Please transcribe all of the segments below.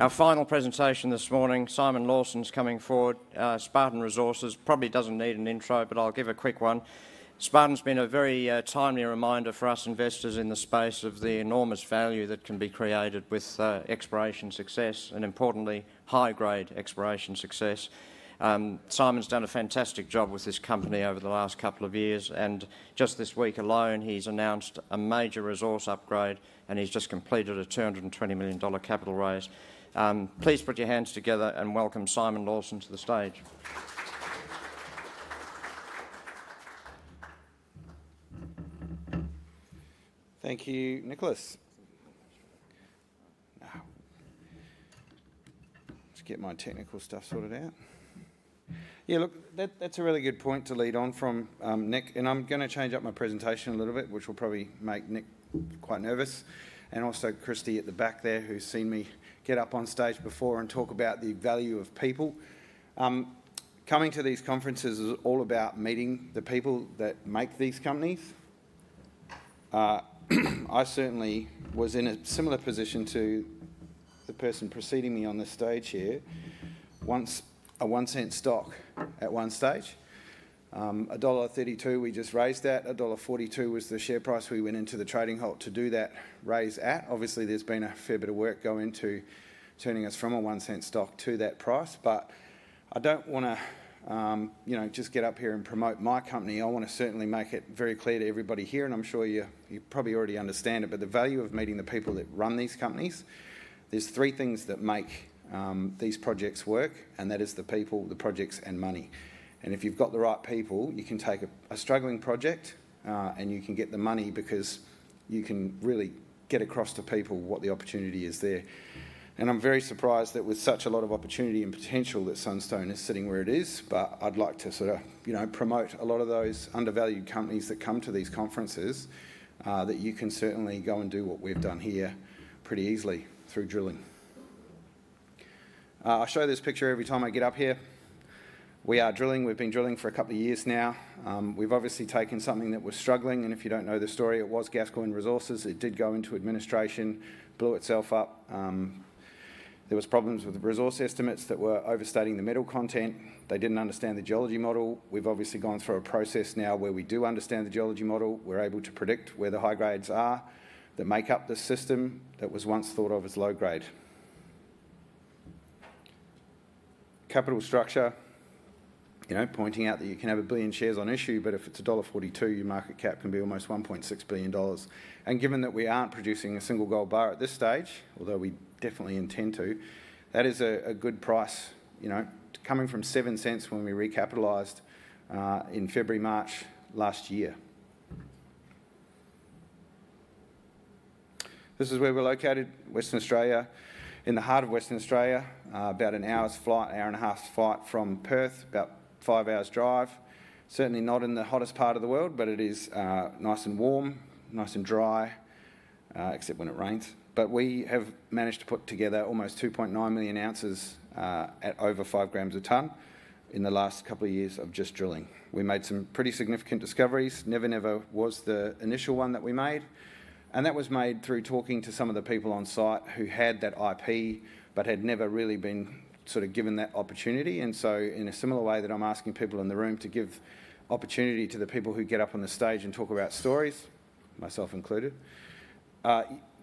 Our final presentation this morning, Simon Lawson's coming forward. Spartan Resources probably doesn't need an intro, but I'll give a quick one. Spartan's been a very timely reminder for us investors in the space of the enormous value that can be created with exploration success, and importantly, high-grade exploration success. Simon's done a fantastic job with this company over the last couple of years, and just this week alone, he's announced a major resource upgrade, and he's just completed a 220 million dollar capital raise. Please put your hands together and welcome Simon Lawson to the stage. Thank you, Nicholas. Now, let's get my technical stuff sorted out. Yeah, look, that's a really good point to lead on from Nick, and I'm going to change up my presentation a little bit, which will probably make Nick quite nervous, and also Chris at the back there who's seen me get up on stage before and talk about the value of people. Coming to these conferences is all about meeting the people that make these companies. I certainly was in a similar position to the person preceding me on the stage here. A one-cent stock at one stage. Dollar 1.32, we just raised that. Dollar 1.42 was the share price we went into the trading halt to do that raise at. Obviously, there's been a fair bit of work going to turning us from an 0.01 stock to that price, but I don't want to just get up here and promote my company. I want to certainly make it very clear to everybody here, and I'm sure you probably already understand it, but the value of meeting the people that run these companies, there's three things that make these projects work, and that is the people, the projects, and money. And if you've got the right people, you can take a struggling project and you can get the money because you can really get across to people what the opportunity is there. And I'm very surprised that with such a lot of opportunity and potential that Sunstone Metals is sitting where it is, but I'd like to sort of promote a lot of those undervalued companies that come to these conferences that you can certainly go and do what we've done here pretty easily through drilling. I show this picture every time I get up here. We are drilling. We've been drilling for a couple of years now. We've obviously taken something that was struggling, and if you don't know the story, it was Gascoyne Resources. It did go into administration, blew itself up. There were problems with the resource estimates that were overstating the metal content. They didn't understand the geology model. We've obviously gone through a process now where we do understand the geology model. We're able to predict where the high grades are that make up the system that was once thought of as low grade. Capital structure, pointing out that you can have a billion shares on issue, but if it's dollar 1.42, your market cap can be almost 1.6 billion dollars, and given that we aren't producing a single gold bar at this stage, although we definitely intend to, that is a good price coming from 0.07 when we recapitalized in February, March last year. This is where we're located, Western Australia, in the heart of Western Australia, about an hour's flight, hour and a half's flight from Perth, about five hours' drive. Certainly not in the hottest part of the world, but it is nice and warm, nice and dry, except when it rains. But we have managed to put together almost 2.9 million ounces at over 5 grams a tonne in the last couple of years of just drilling. We made some pretty significant discoveries. Never Never was the initial one that we made, and that was made through talking to some of the people on site who had that IP but had never really been sort of given that opportunity. And so in a similar way that I'm asking people in the room to give opportunity to the people who get up on the stage and talk about stories, myself included,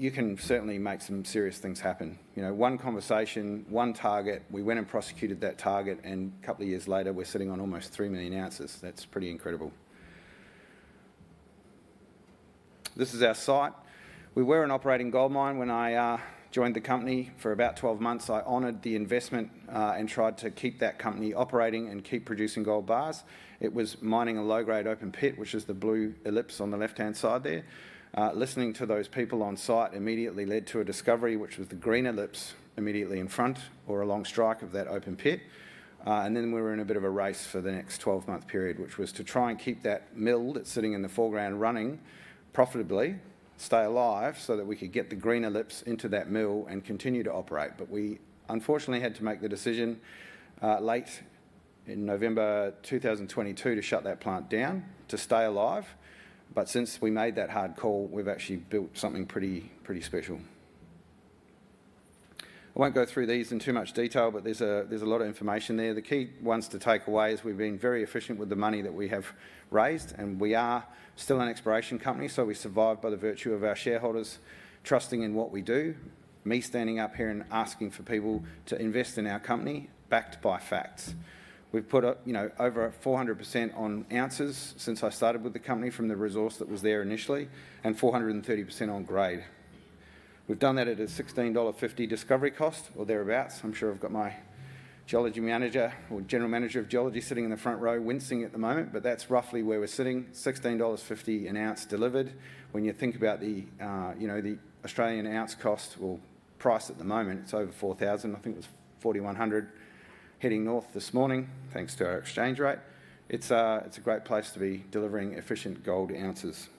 you can certainly make some serious things happen. One conversation, one target, we went and prosecuted that target, and a couple of years later, we're sitting on almost 3 million ounces. That's pretty incredible. This is our site. We were an operating gold mine when I joined the company. For about 12 months, I honored the investment and tried to keep that company operating and keep producing gold bars. It was mining a low-grade open pit, which is the blue ellipse on the left-hand side there. Listening to those people on site immediately led to a discovery, which was the green ellipse immediately in front or along strike of that open pit. And then we were in a bit of a race for the next 12-month period, which was to try and keep that mill that's sitting in the foreground running profitably, stay alive so that we could get the green ellipse into that mill and continue to operate. But we unfortunately had to make the decision late in November 2022 to shut that plant down to stay alive. But since we made that hard call, we've actually built something pretty special. I won't go through these in too much detail, but there's a lot of information there. The key ones to take away is we've been very efficient with the money that we have raised, and we are still an exploration company, so we survive by the virtue of our shareholders trusting in what we do, me standing up here and asking for people to invest in our company backed by facts. We've put over 400% on ounces since I started with the company from the resource that was there initially, and 430% on grade. We've done that at a 16.50 dollar discovery cost or thereabouts. I'm sure I've got my geology manager or general manager of geology sitting in the front row wincing at the moment, but that's roughly where we're sitting. 16.50 dollars an ounce delivered. When you think about the Australian ounce cost or price at the moment, it's over 4,000. I think it was 4,100 heading north this morning, thanks to our exchange rate. It's a great place to be delivering efficient gold ounces.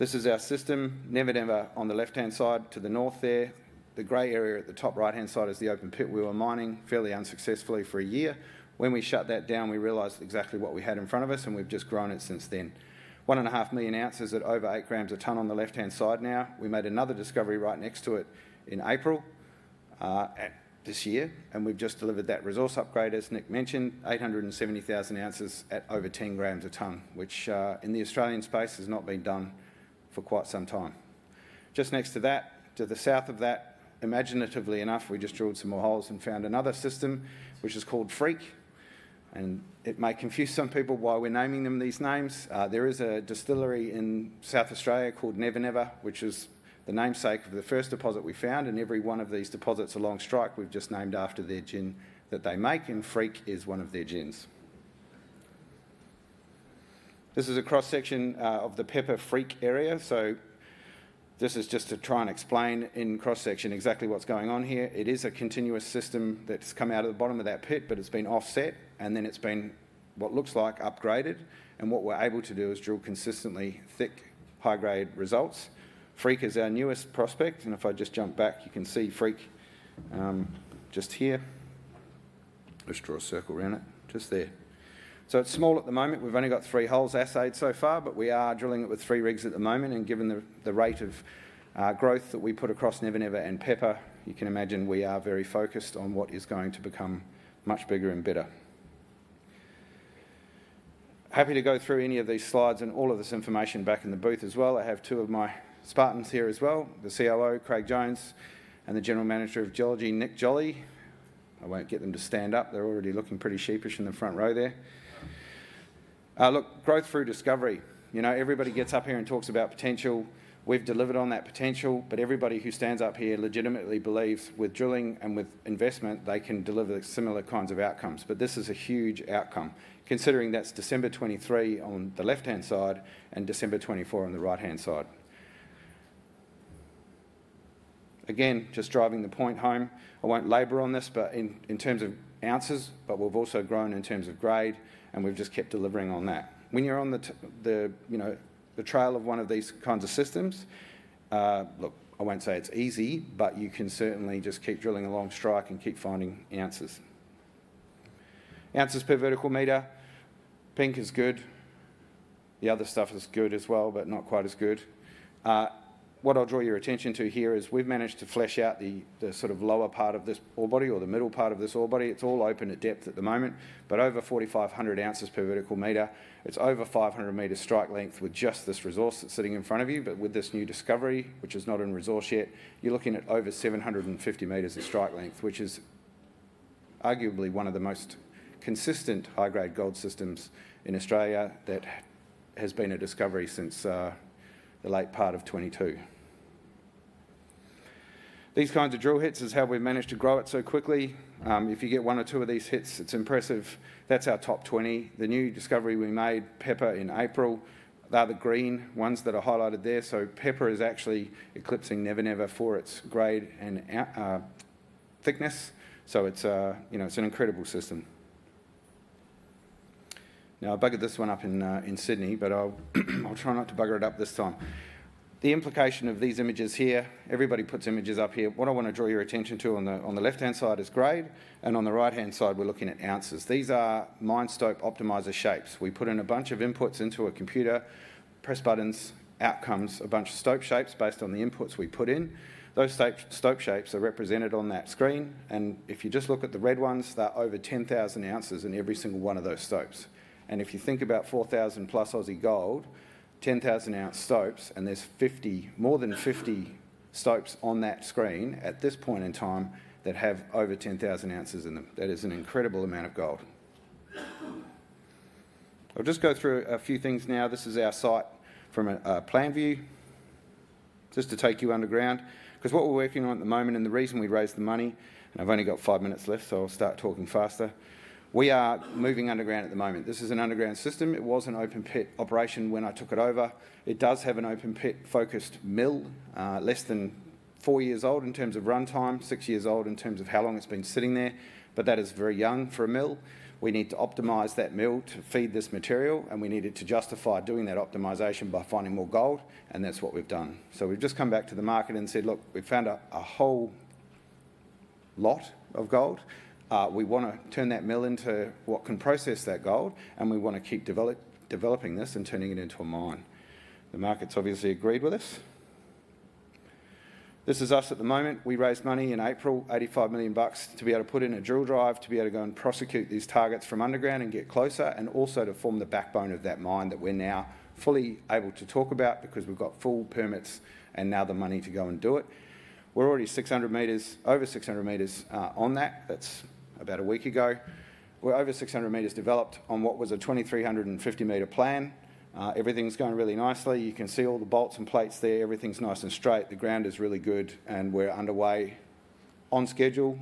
This is our system. Never Never on the left-hand side to the north there. The gray area at the top right-hand side is the open pit we were mining fairly unsuccessfully for a year. When we shut that down, we realized exactly what we had in front of us, and we've just grown it since then. 1.5 million ounces at over eight grams a tonne on the left-hand side now. We made another discovery right next to it in April this year, and we've just delivered that resource upgrade, as Nick mentioned, 870,000 ounces at over 10 grams a tonne, which in the Australian space has not been done for quite some time. Just next to that, to the south of that, imaginatively enough, we just drilled some more holes and found another system, which is called Freak, and it may confuse some people why we're naming them these names. There is a distillery in South Australia called Never Never, which is the namesake of the first deposit we found, and every one of these deposits along strike we've just named after their gin that they make, and Freak is one of their gins. This is a cross-section of the Pepper Freak area, so this is just to try and explain in cross-section exactly what's going on here. It is a continuous system that's come out of the bottom of that pit, but it's been offset, and then it's been what looks like upgraded, and what we're able to do is drill consistently thick high-grade results. Freak is our newest prospect, and if I just jump back, you can see Freak just here. Let's draw a circle around it, just there. So it's small at the moment. We've only got three holes assayed so far, but we are drilling it with three rigs at the moment, and given the rate of growth that we put across Never Never and Pepper, you can imagine we are very focused on what is going to become much bigger and better. Happy to go through any of these slides and all of this information back in the booth as well. I have two of my Spartans here as well, the COO, Craig Jones, and the General Manager of Geology, Nick Jolly. I won't get them to stand up. They're already looking pretty sheepish in the front row there. Look, growth through discovery. Everybody gets up here and talks about potential. We've delivered on that potential, but everybody who stands up here legitimately believes with drilling and with investment, they can deliver similar kinds of outcomes. But this is a huge outcome, considering that's December 2023 on the left-hand side and December 2024 on the right-hand side. Again, just driving the point home, I won't labor on this, but in terms of ounces, but we've also grown in terms of grade, and we've just kept delivering on that. When you're on the trail of one of these kinds of systems, look, I won't say it's easy, but you can certainly just keep drilling along strike and keep finding ounces. Ounces per vertical m. Pink is good. The other stuff is good as well, but not quite as good. What I'll draw your attention to here is we've managed to flesh out the sort of lower part of this ore body or the middle part of this ore body. It's all open at depth at the moment, but over 4,500 ounces per vertical m. It's over 500 m strike length with just this resource that's sitting in front of you, but with this new discovery, which is not in resource yet, you're looking at over 750 m of strike length, which is arguably one of the most consistent high-grade gold systems in Australia that has been a discovery since the late part of 2022. These kinds of drill hits is how we've managed to grow it so quickly. If you get one or two of these hits, it's impressive. That's our top 20. The new discovery we made, Pepper in April, they're the green ones that are highlighted there, so Pepper is actually eclipsing Never Never for its grade and thickness, so it's an incredible system. Now, I buggered this one up in Sydney, but I'll try not to bugger it up this time. The implication of these images here, everybody puts images up here. What I want to draw your attention to on the left-hand side is grade, and on the right-hand side, we're looking at ounces. These are Mine Stope Optimizer shapes. We put in a bunch of inputs into a computer, press buttons, out comes a bunch of stope shapes based on the inputs we put in. Those stope shapes are represented on that screen, and if you just look at the red ones, they're over 10,000 ounces in every single one of those stopes, and if you think about 4,000 plus Aussie gold, 10,000 ounce stopes, and there's more than 50 stopes on that screen at this point in time that have over 10,000 ounces in them. That is an incredible amount of gold. I'll just go through a few things now. This is our site from a plan view, just to take you underground, because what we're working on at the moment and the reason we raised the money, and I've only got five minutes left, so I'll start talking faster. We are moving underground at the moment. This is an underground system. It was an open pit operation when I took it over. It does have an open pit-focused mill, less than four years old in terms of runtime, six years old in terms of how long it's been sitting there, but that is very young for a mill. We need to optimize that mill to feed this material, and we needed to justify doing that optimization by finding more gold, and that's what we've done. So we've just come back to the market and said, "Look, we've found a whole lot of gold. We want to turn that mill into what can process that gold, and we want to keep developing this and turning it into a mine." The market's obviously agreed with us. This is us at the moment. We raised money in April, 85 million bucks, to be able to put in a drill drive to be able to go and prosecute these targets from underground and get closer, and also to form the backbone of that mine that we're now fully able to talk about because we've got full permits and now the money to go and do it. We're already over 600 m on that. That's about a week ago. We're over 600 m developed on what was a 2,350-m plan. Everything's going really nicely. You can see all the bolts and plates there. Everything's nice and straight. The ground is really good, and we're underway on schedule,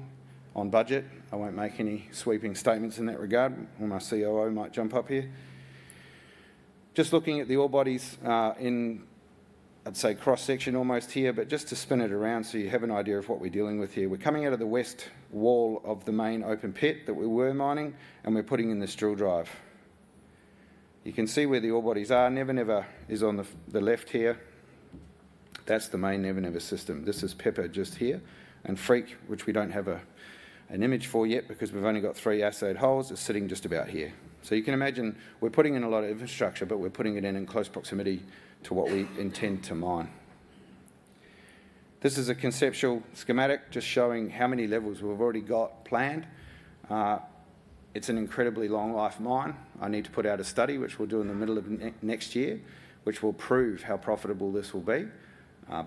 on budget. I won't make any sweeping statements in that regard. My COO might jump up here. Just looking at the ore bodies in, I'd say, cross-section almost here, but just to spin it around so you have an idea of what we're dealing with here. We're coming out of the west wall of the main open pit that we were mining, and we're putting in this drill drive. You can see where the ore bodies are. Never Never is on the left here. That's the main Never Never system. This is Pepper just here and Freak, which we don't have an image for yet because we've only got three assayed holes. It's sitting just about here. So you can imagine we're putting in a lot of infrastructure, but we're putting it in in close proximity to what we intend to mine. This is a conceptual schematic just showing how many levels we've already got planned. It's an incredibly long-life mine. I need to put out a study, which we'll do in the middle of next year, which will prove how profitable this will be.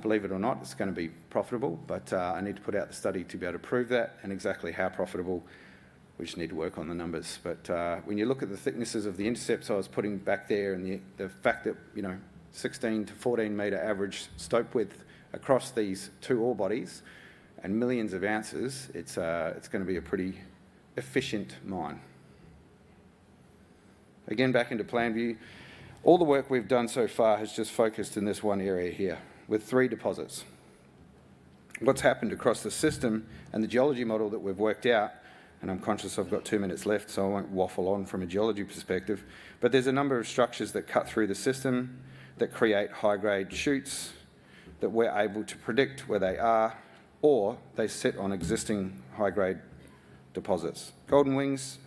Believe it or not, it's going to be profitable, but I need to put out the study to be able to prove that and exactly how profitable, which need to work on the numbers. But when you look at the thicknesses of the intercepts I was putting back there and the fact that 16-14-m average stope width across these two ore bodies and millions of ounces, it's going to be a pretty efficient mine. Again, back into plan view. All the work we've done so far has just focused in this one area here with three deposits. What's happened across the system and the geology model that we've worked out, and I'm conscious I've got two minutes left, so I won't waffle on from a geology perspective, but there's a number of structures that cut through the system that create high-grade chutes that we're able to predict where they are or they sit on existing high-grade deposits. Golden Wings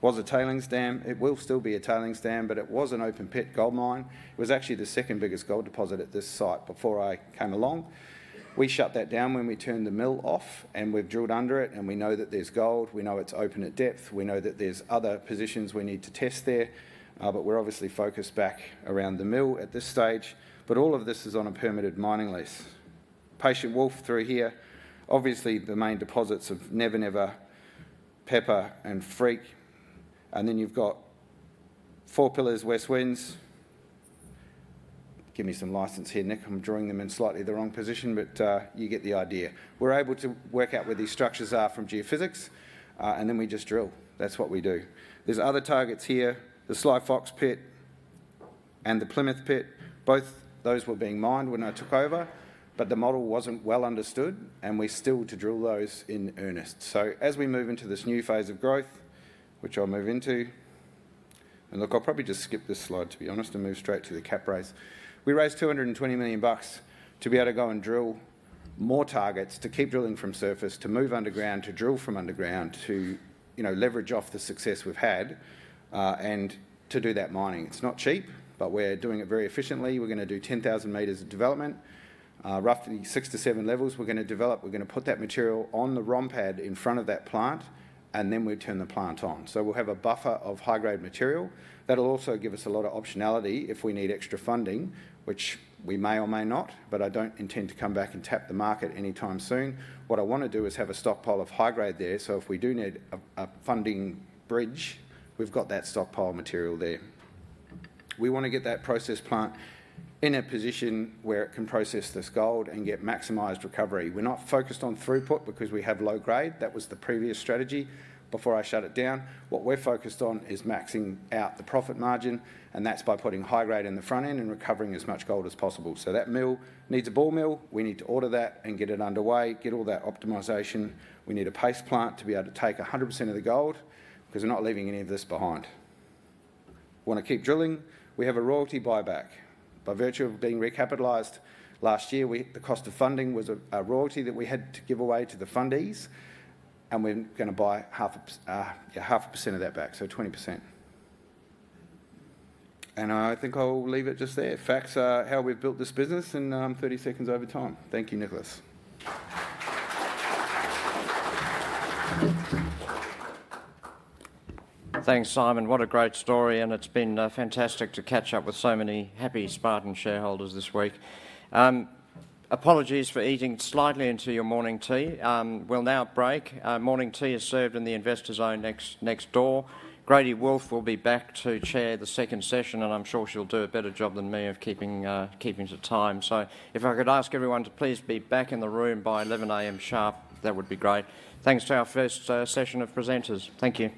was a tailings dam. It will still be a tailings dam, but it was an open pit gold mine. It was actually the second biggest gold deposit at this site before I came along. We shut that down when we turned the mill off, and we've drilled under it, and we know that there's gold. We know it's open at depth. We know that there's other positions we need to test there, but we're obviously focused back around the mill at this stage, but all of this is on a permitted mining lease. Patient Wolf through here. Obviously, the main deposits of Never Never, Pepper, and Freak, and then you've got Four Pillars, West Winds. Give me some license here, Nick. I'm drawing them in slightly the wrong position, but you get the idea. We're able to work out where these structures are from geophysics, and then we just drill. That's what we do. There's other targets here, the Sly Fox pit and the Plymouth pit. Both those were being mined when I took over, but the model wasn't well understood, and we still to drill those in earnest. So as we move into this new phase of growth, which I'll move into, and look, I'll probably just skip this slide, to be honest, and move straight to the cap raise. We raised 220 million bucks to be able to go and drill more targets, to keep drilling from surface, to move underground, to drill from underground, to leverage off the success we've had, and to do that mining. It's not cheap, but we're doing it very efficiently. We're going to do 10,000 m of development, roughly six to seven levels. We're going to develop. We're going to put that material on the ROM pad in front of that plant, and then we turn the plant on. So we'll have a buffer of high-grade material that'll also give us a lot of optionality if we need extra funding, which we may or may not, but I don't intend to come back and tap the market anytime soon. What I want to do is have a stockpile of high-grade there, so if we do need a funding bridge, we've got that stockpile material there. We want to get that process plant in a position where it can process this gold and get maximized recovery. We're not focused on throughput because we have low grade. That was the previous strategy before I shut it down. What we're focused on is maxing out the profit margin, and that's by putting high-grade in the front end and recovering as much gold as possible. So that mill needs a ball mill. We need to order that and get it underway, get all that optimization. We need a paste plant to be able to take 100% of the gold because we're not leaving any of this behind. Want to keep drilling. We have a royalty buyback. By virtue of being recapitalized last year, the cost of funding was a royalty that we had to give away to the fundies, and we're going to buy 0.5 percent of that back, so 20%, and I think I'll leave it just there. Facts are how we've built this business in 30 seconds over time. Thank you, Nicholas. Thanks, Simon. What a great story, and it's been fantastic to catch up with so many happy Spartan shareholders this week. Apologies for eating slightly into your morning tea. We'll now break. Morning tea is served in the investor's zone next door. Grady Wulff will be back to chair the second session, and I'm sure she'll do a better job than me of keeping to time. So if I could ask everyone to please be back in the room by 11:00 A.M. sharp, that would be great. Thanks to our first session of presenters. Thank you.